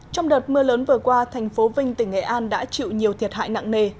trong đợt mưa lớn vừa qua thành phố vinh tỉnh nghệ an đã chịu nhiều thiệt hại nặng nề